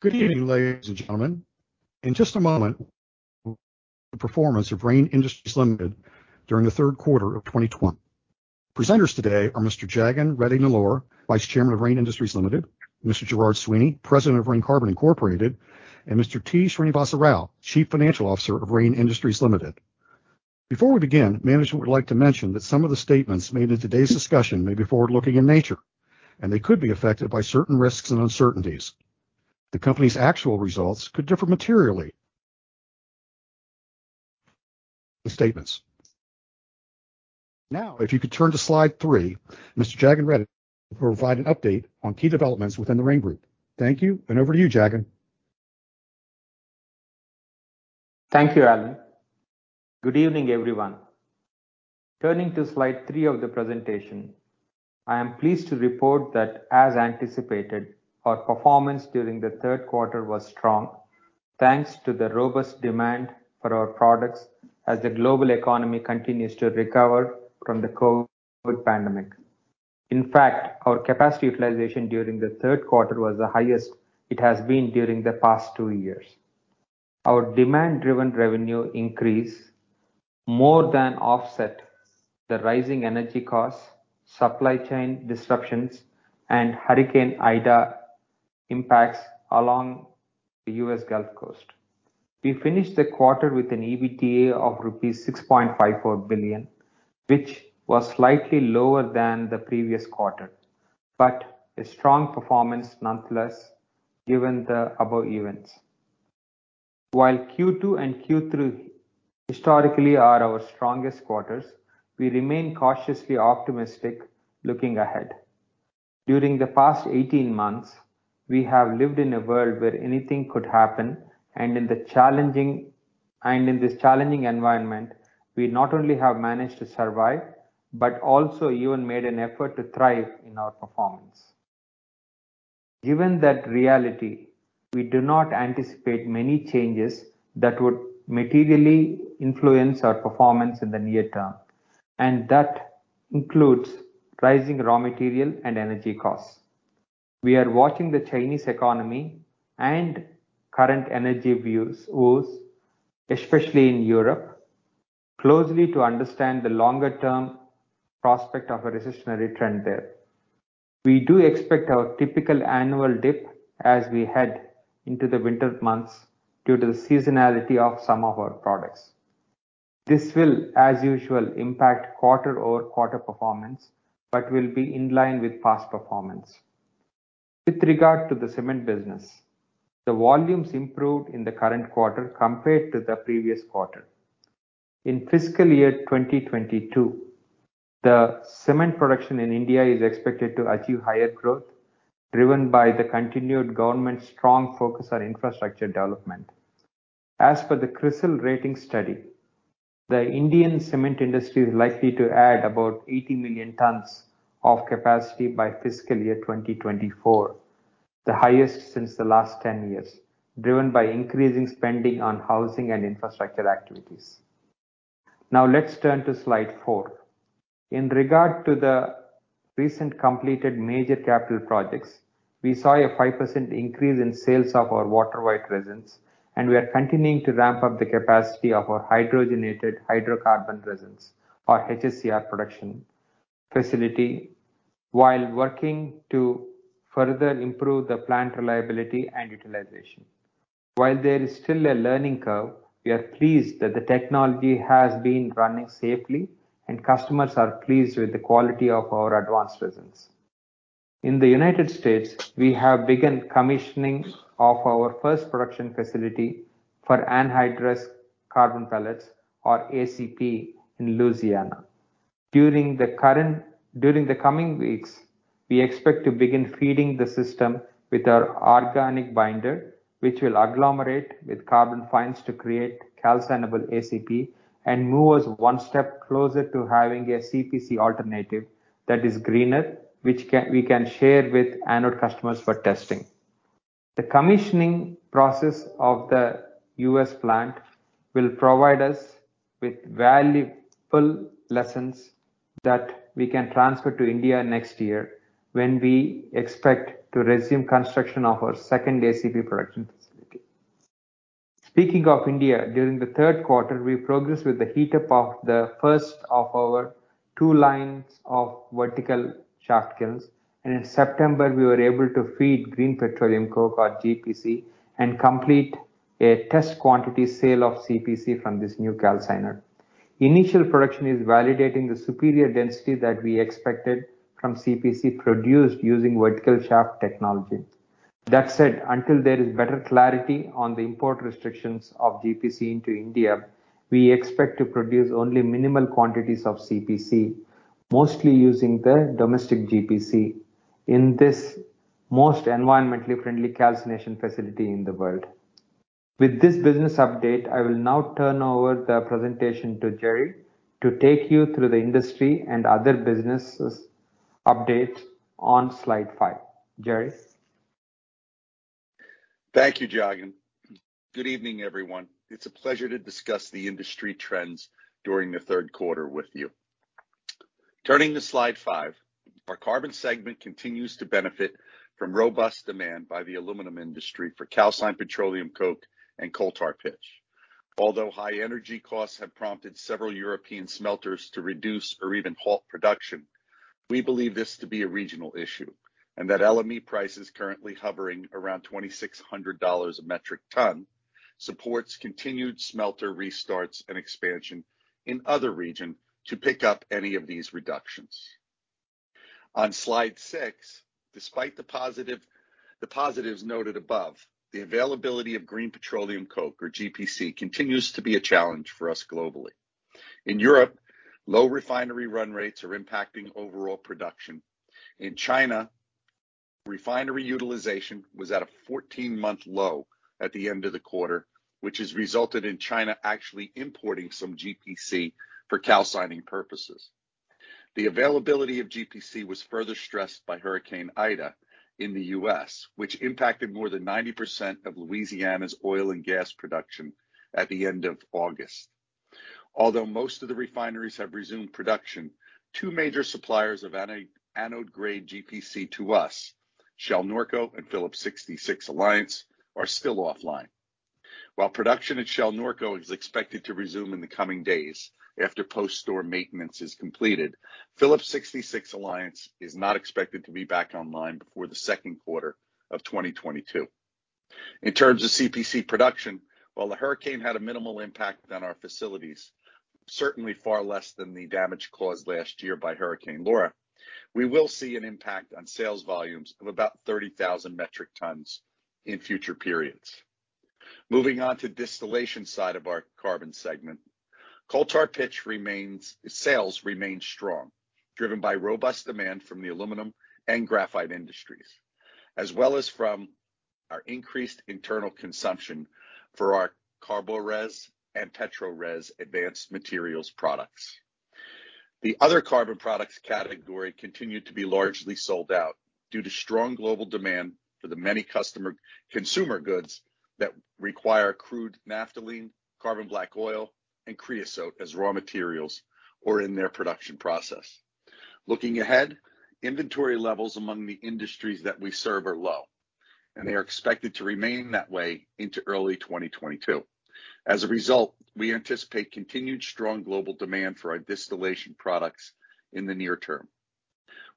Good evening, ladies and gentlemen. In just a moment, the performance of Rain Industries Limited during the Third quarter of 2020. Presenters today are Mr. Jagan Mohan Reddy Nellore, Vice Chairman of Rain Industries Limited, Mr. Gerard Sweeney, President of Rain Carbon Inc., and Mr. T. Srinivasa Rao, Chief Financial Officer of Rain Industries Limited. Before we begin, management would like to mention that some of the statements made in today's discussion may be forward-looking in nature, and they could be affected by certain risks and uncertainties. The company's actual results could differ materially from statements. Now, if you could turn to slide three, Mr. Jagan Mohan Reddy Nellore will provide an update on key developments within the Rain group. Thank you, and over to you, Jagan. Thank you, Alan. Good evening, everyone. Turning to slide three of the presentation, I am pleased to report that, as anticipated, our performance during the third quarter was strong, thanks to the robust demand for our products as the global economy continues to recover from the COVID pandemic. In fact, our capacity utilization during the third quarter was the highest it has been during the past two years. Our demand-driven revenue increase more than offset the rising energy costs, supply chain disruptions, and Hurricane Ida impacts along the U.S. Gulf Coast. We finished the quarter with an EBITDA of 6.54 billion rupees, which was slightly lower than the previous quarter, but a strong performance nonetheless, given the above events. While Q2 and Q3 historically are our strongest quarters, we remain cautiously optimistic looking ahead. During the past eighteen months, we have lived in a world where anything could happen, and in this challenging environment, we not only have managed to survive, but also even made an effort to thrive in our performance. Given that reality, we do not anticipate many changes that would materially influence our performance in the near term, and that includes rising raw material and energy costs. We are watching the Chinese economy and current energy woes, especially in Europe, closely to understand the longer term prospect of a recessionary trend there. We do expect our typical annual dip as we head into the winter months due to the seasonality of some of our products. This will, as usual, impact quarter-over-quarter performance, but will be in line with past performance. With regard to the cement business, the volumes improved in the current quarter compared to the previous quarter. In fiscal year 2022, the cement production in India is expected to achieve higher growth, driven by the continued government's strong focus on infrastructure development. As per the CRISIL rating study, the Indian cement industry is likely to add about 80 million tons of capacity by fiscal year 2024, the highest since the last 10 years, driven by increasing spending on housing and infrastructure activities. Now let's turn to slide four. In regard to the recently completed major capital projects, we saw a 5% increase in sales of our water-white resins, and we are continuing to ramp up the capacity of our hydrogenated hydrocarbon resins, or HHCR production facility, while working to further improve the plant reliability and utilization. While there is still a learning curve, we are pleased that the technology has been running safely, and customers are pleased with the quality of our advanced resins. In the United States, we have begun commissioning of our first production facility for anhydrous carbon pellets, or ACP, in Louisiana. During the coming weeks, we expect to begin feeding the system with our organic binder, which will agglomerate with carbon fines to create calcineable ACP and move us one step closer to having a CPC alternative that is greener, we can share with anode customers for testing. The commissioning process of the US plant will provide us with valuable lessons that we can transfer to India next year when we expect to resume construction of our second ACP production facility. Speaking of India, during the third quarter, we progressed with the heat-up of the first of our two lines of vertical shaft kilns, and in September, we were able to feed green petroleum coke, or GPC, and complete a test quantity sale of CPC from this new calciner. Initial production is validating the superior density that we expected from CPC produced using vertical shaft technology. That said, until there is better clarity on the import restrictions of GPC into India, we expect to produce only minimal quantities of CPC, mostly using the domestic GPC in this most environmentally friendly calcination facility in the world. With this business update, I will now turn over the presentation to Jerry to take you through the industry and other business updates on slide five. Gerard? Thank you, Jagan. Good evening, everyone. It's a pleasure to discuss the industry trends during the third quarter with you. Turning to slide five. Our Carbon segment continues to benefit from robust demand by the aluminum industry for calcined petroleum coke and coal tar pitch. Although high energy costs have prompted several European smelters to reduce or even halt production, we believe this to be a regional issue and that LME price is currently hovering around $2,600 a metric tons, supports continued smelter restarts and expansion in other region to pick up any of these reductions. On slide six, despite the positive, the positives noted above, the availability of green petroleum coke or GPC continues to be a challenge for us globally. In Europe, low refinery run rates are impacting overall production. In China, refinery utilization was at a 14-month low at the end of the quarter, which has resulted in China actually importing some GPC for calcining purposes. The availability of GPC was further stressed by Hurricane Ida in the U.S., which impacted more than 90% of Louisiana's oil and gas production at the end of August. Although most of the refineries have resumed production, two major suppliers of anode grade GPC to us, Shell Norco and Phillips 66 Alliance, are still offline. While production at Shell Norco is expected to resume in the coming days after post-storm maintenance is completed, Phillips 66 Alliance is not expected to be back online before the second quarter of 2022. In terms of CPC production, while the hurricane had a minimal impact on our facilities, certainly far less than the damage caused last year by Hurricane Laura, we will see an impact on sales volumes of about 30,000 metric tons in future periods. Moving on to distillation side of our carbon segment. Coal tar pitch sales remain strong, driven by robust demand from the aluminum and graphite industries, as well as from our increased internal consumption for our CARBORES and PETRORES advanced materials products. The other carbon products category continued to be largely sold out due to strong global demand for the many consumer goods that require Crude Naphthalene, Carbon Black Oil, and Creosote as raw materials or in their production process. Looking ahead, inventory levels among the industries that we serve are low, and they are expected to remain that way into early 2022. As a result, we anticipate continued strong global demand for our distillation products in the near term.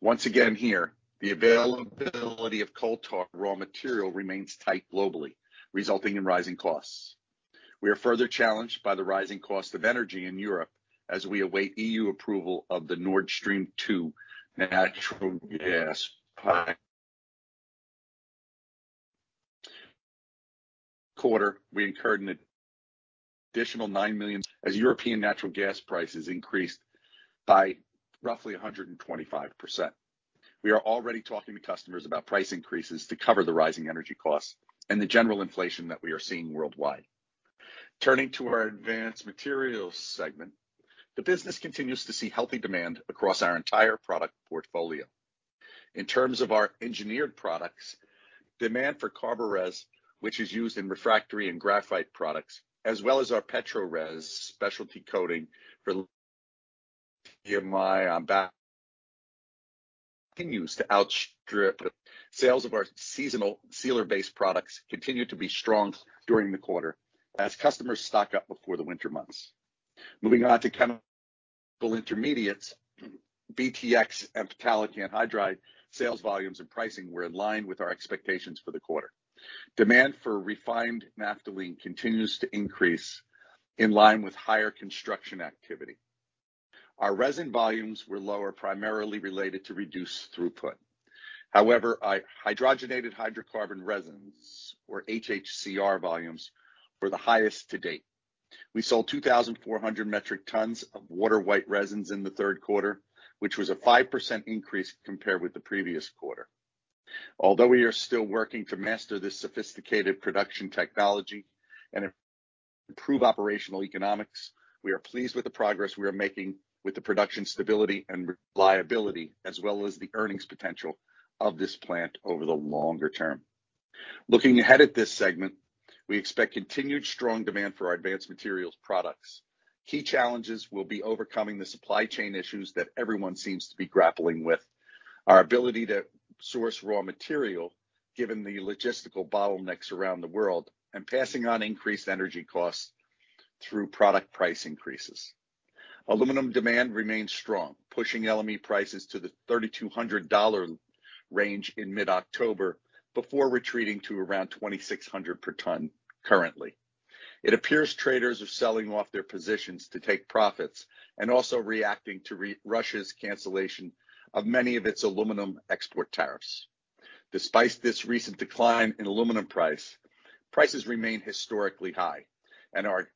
Once again here, the availability of coal tar raw material remains tight globally, resulting in rising costs. We are further challenged by the rising cost of energy in Europe as we await EU approval of the Nord Stream 2 natural gas pipeline. In the quarter, we incurred an additional 9 million as European natural gas prices increased by roughly 125%. We are already talking to customers about price increases to cover the rising energy costs and the general inflation that we are seeing worldwide. Turning to our advanced materials segment, the business continues to see healthy demand across our entire product portfolio. In terms of our engineered products, demand for CARBORES, which is used in refractory and graphite products, as well as our PETRORES specialty coating, continues to outstrip. Sales of our seasonal sealer-based products continued to be strong during the quarter as customers stock up before the winter months. Moving on to chemical intermediates, BTX and phthalic anhydride sales volumes and pricing were in line with our expectations for the quarter. Demand for refined naphthalene continues to increase in line with higher construction activity. Our resin volumes were lower, primarily related to reduced throughput. However, hydrogenated hydrocarbon resins or HHCR volumes were the highest to date. We sold 2,400 metric tons of water-white resins in the third quarter, which was a 5% increase compared with the previous quarter. Although we are still working to master this sophisticated production technology and improve operational economics, we are pleased with the progress we are making with the production stability and reliability, as well as the earnings potential of this plant over the longer term. Looking ahead at this segment, we expect continued strong demand for our advanced materials products. Key challenges will be overcoming the supply chain issues that everyone seems to be grappling with, our ability to source raw material given the logistical bottlenecks around the world, and passing on increased energy costs through product price increases. Aluminum demand remains strong, pushing LME prices to the $3,200 range in mid-October before retreating to around $2,600 per tons currently. It appears traders are selling off their positions to take profits and also reacting to Russia's cancellation of many of its aluminum export tariffs. Despite this recent decline in aluminum price, prices remain historically high and are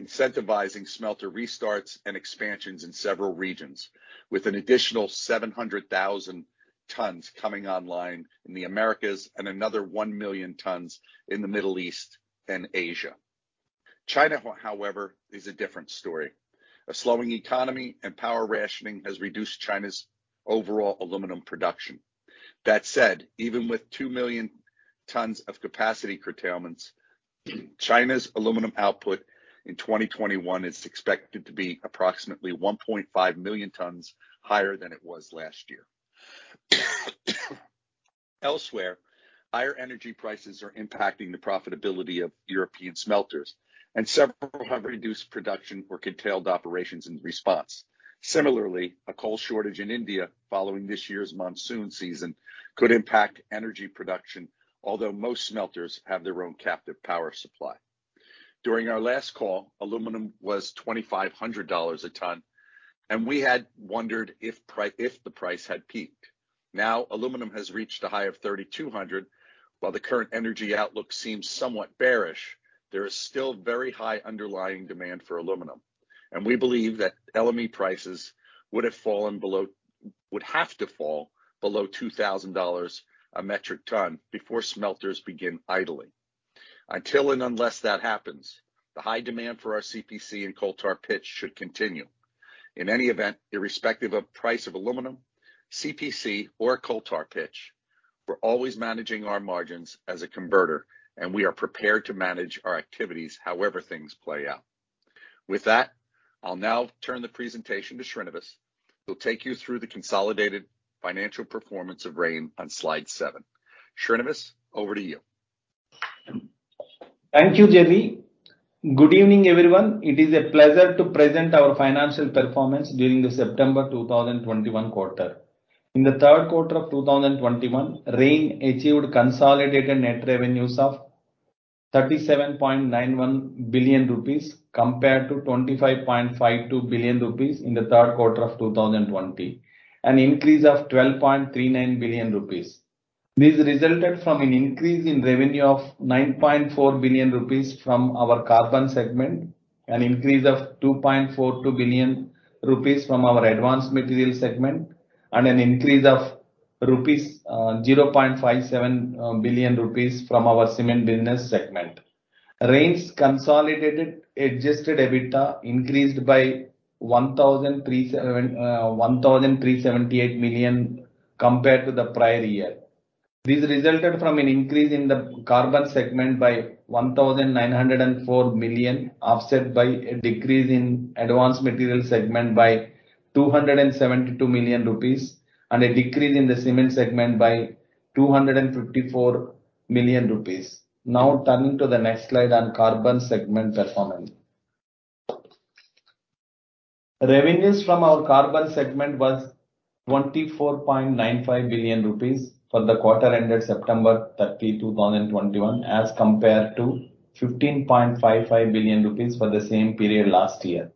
incentivizing smelter restarts and expansions in several regions, with an additional 700,000 tons coming online in the Americas and another 1,000,000 tons in the Middle East and Asia. China, however, is a different story. A slowing economy and power rationing has reduced China's overall aluminum production. That said, even with 2 million tons of capacity curtailments. China's aluminum output in 2021 is expected to be approximately 1.5 million tons higher than it was last year. Elsewhere, higher energy prices are impacting the profitability of European smelters, and several have reduced production or curtailed operations in response. Similarly, a coal shortage in India following this year's monsoon season could impact energy production, although most smelters have their own captive power supply. During our last call, aluminum was $2,500 a tons, and we had wondered if the price had peaked. Now, aluminum has reached a high of $3,200, while the current energy outlook seems somewhat bearish. There is still very high underlying demand for aluminum, and we believe that LME prices would have to fall below $2,000 a metric tons before smelters begin idling. Until and unless that happens, the high demand for our CPC and coal tar pitch should continue. In any event, irrespective of price of aluminum, CPC or coal tar pitch, we're always managing our margins as a converter, and we are prepared to manage our activities however things play out. With that, I'll now turn the presentation to Srinivas, who'll take you through the consolidated financial performance of Rain on slide seven. Srinivas, over to you. Thank you, Gerard. Good evening, everyone. It is a pleasure to present our financial performance during the September 2021 quarter. In the third quarter of 2021, Rain achieved consolidated net revenues of 37.91 billion rupees compared to 25.52 billion rupees in the third quarter of 2020, an increase of 12.39 billion rupees. This resulted from an increase in revenue of 9.4 billion rupees from our Carbon segment, an increase of 2.42 billion rupees from our Advanced Materials segment, and an increase of 0.57 billion rupees from our Cement business segment. Rain's consolidated adjusted EBITDA increased by 1,378 million compared to the prior year. This resulted from an increase in the Carbon segment by 1,904 million, offset by a decrease in Advanced Materials segment by 272 million rupees, and a decrease in the Cement segment by 254 million rupees. Now turning to the next slide on Carbon segment performance. Revenues from our Carbon segment was 24.95 billion rupees for the quarter ended September 30, 2021, as compared to 15.55 billion rupees for the same period last year.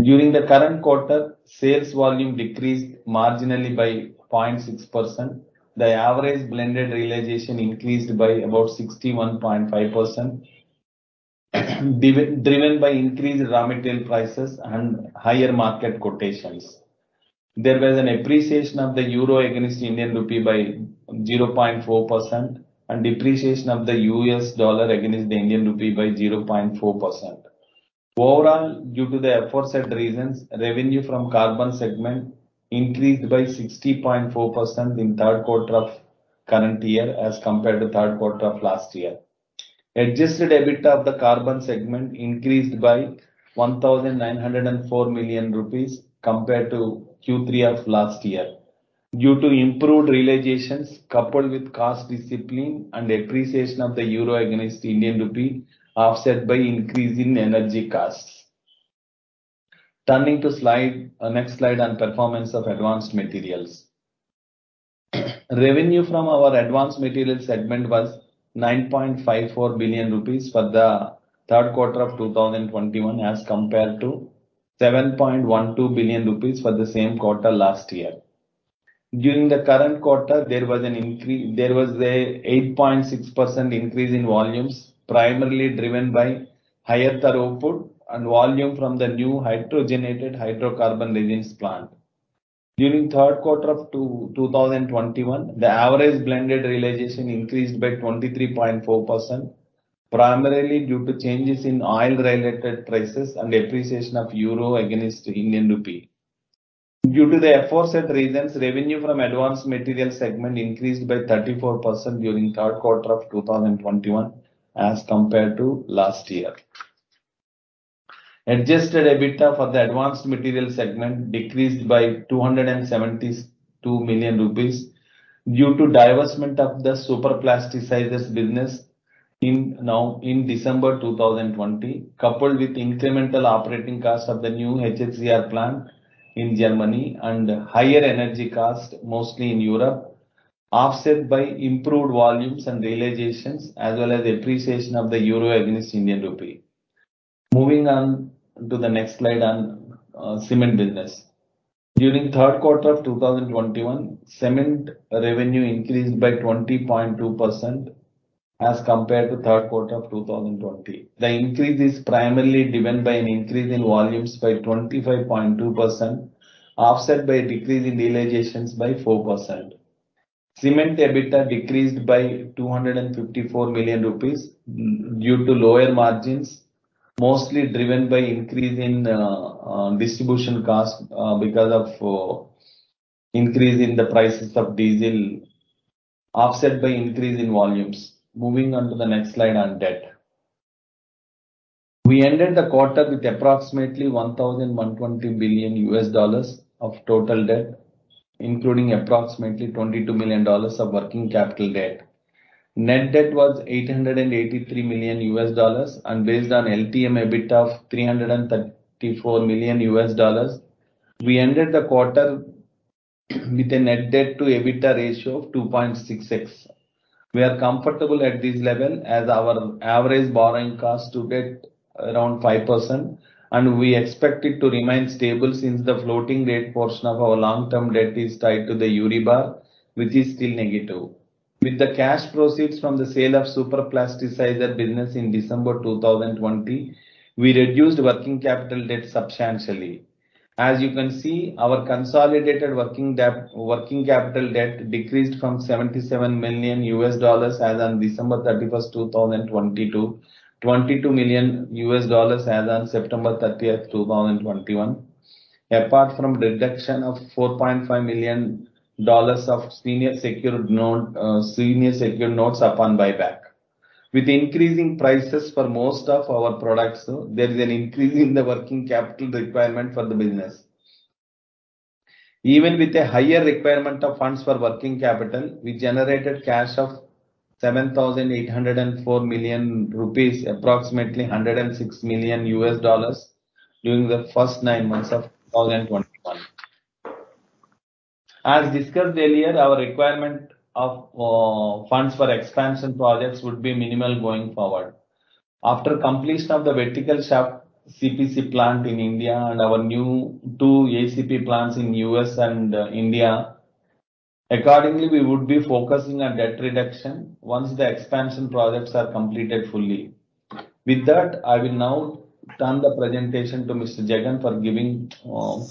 During the current quarter, sales volume decreased marginally by 0.6%. The average blended realization increased by about 61.5%, driven by increased raw material prices and higher market quotations. There was an appreciation of the euro against the Indian rupee by 0.4% and depreciation of the US dollar against the Indian rupee by 0.4%. Overall, due to the aforesaid reasons, revenue from Carbon segment increased by 60.4% in third quarter of current year as compared to third quarter of last year. Adjusted EBITDA of the Carbon segment increased by 1,904 million rupees compared to Q3 of last year due to improved realizations coupled with cost discipline and appreciation of the euro against Indian rupee, offset by increase in energy costs. Turning to next slide on performance of advanced materials. Revenue from our Advanced Materials segment was 9.54 billion rupees for the third quarter of 2021, as compared to 7.12 billion rupees for the same quarter last year. During the current quarter, there was an 8.6% increase in volumes, primarily driven by higher tar output and volume from the new hydrogenated hydrocarbon resins plant. During third quarter of 2021, the average blended realization increased by 23.4%, primarily due to changes in oil-related prices and appreciation of euro against Indian rupee. Due to the aforesaid reasons, revenue from Advanced Materials segment increased by 34% during third quarter of 2021 as compared to last year. Adjusted EBITDA for the advanced materials segment decreased by 272 million rupees due to divestment of the superplasticizers business in December 2020, coupled with incremental operating costs of the new HHCR plant in Germany and higher energy costs, mostly in Europe, offset by improved volumes and realizations, as well as the appreciation of the euro against the Indian rupee. Moving on to the next slide on cement business. During third quarter of 2021, cement revenue increased by 20.2% as compared to third quarter of 2020. The increase is primarily driven by an increase in volumes by 25.2%, offset by a decrease in realizations by 4%. Cement EBITDA decreased by 254 million rupees due to lower margins. Mostly driven by increase in distribution cost because of increase in the prices of diesel offset by increase in volumes. Moving on to the next slide on debt. We ended the quarter with approximately $1.02 billion of total debt, including approximately $22 million of working capital debt. Net debt was $883 million, and based on LTM EBIT of $334 million, we ended the quarter with a net debt to EBITDA ratio of 2.66. We are comfortable at this level as our average cost of debt around 5%, and we expect it to remain stable since the floating rate portion of our long-term debt is tied to the Euribor, which is still negative. With the cash proceeds from the sale of Superplasticizer business in December 2020, we reduced working capital debt substantially. As you can see, our consolidated working capital debt decreased from $77 million as on December 31, 2020 to $22 million as on September 30, 2021. Apart from reduction of $4.5 million of senior secured note, senior secured notes upon buyback. With increasing prices for most of our products, there is an increase in the working capital requirement for the business. Even with a higher requirement of funds for working capital, we generated cash of 7,804 million rupees, approximately $106 million during the first nine months of 2021. As discussed earlier, our requirement of funds for expansion projects would be minimal going forward. After completion of the vertical shaft CPC plant in India and our new two ACP plants in US. and India, accordingly, we would be focusing on debt reduction once the expansion projects are completed fully. With that, I will now turn the presentation to Mr. Jagan for giving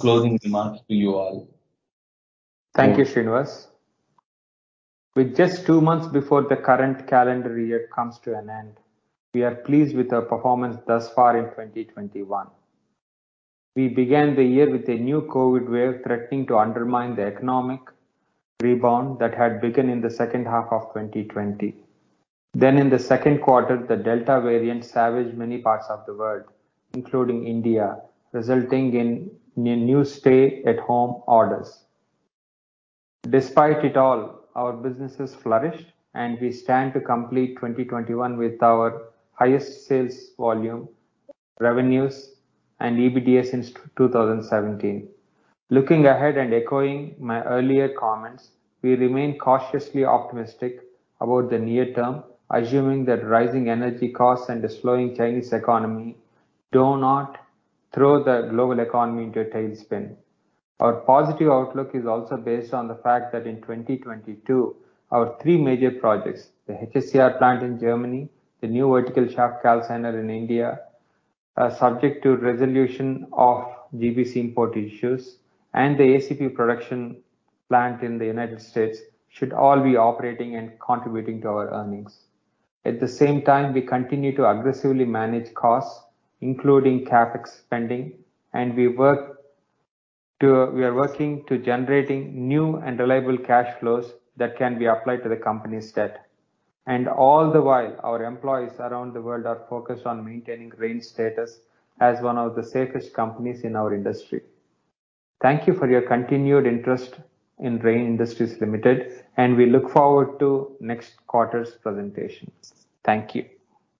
closing remarks to you all. Thank you, Srinivas. With just two months before the current calendar year comes to an end, we are pleased with our performance thus far in 2021. We began the year with a new COVID wave threatening to undermine the economic rebound that had begun in the second half of 2020. In the second quarter, the Delta variant ravaged many parts of the world, including India, resulting in new stay-at-home orders. Despite it all, our businesses flourished, and we stand to complete 2021 with our highest sales volume, revenues, and EBITDA since 2017. Looking ahead and echoing my earlier comments, we remain cautiously optimistic about the near term, assuming that rising energy costs and the slowing Chinese economy do not throw the global economy into a tailspin. Our positive outlook is also based on the fact that in 2022, our three major projects, the HHCR plant in Germany, the new vertical shaft calciner in India, subject to resolution of GPC import issues, and the ACP production plant in the United States should all be operating and contributing to our earnings. At the same time, we continue to aggressively manage costs, including CapEx spending, and we are working to generating new and reliable cash flows that can be applied to the company's debt. All the while, our employees around the world are focused on maintaining Rain's status as one of the safest companies in our industry. Thank you for your continued interest in Rain Industries Limited, and we look forward to next quarter's presentation. Thank you.